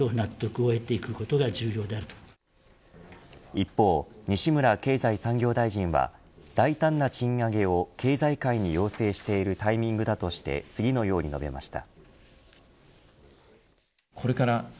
一方、西村経済産業大臣は大胆な賃上げを経済界に要請しているタイミングだとして次のように述べました。